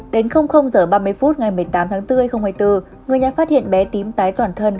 đến h ba mươi phút ngày một mươi tám tháng bốn hai nghìn hai mươi bốn người nhà phát hiện bé tím tái toàn thân